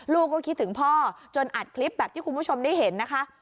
ลูกก็คิดถึงพ่อจนอัดคลิปแบบที่คุณผู้ชมได้เห็นนะคะ